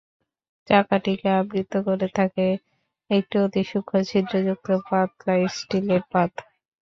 চাকাটিকে আবৃত করে থাকে একটি অতি সূক্ষ্ম ছিদ্রযুক্ত পাতলা স্টিলের পাত।